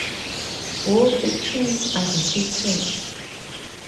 Both tunes are repeated.